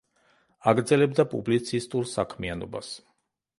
აგრძელებდა პუბლიცისტურ საქმიანობას.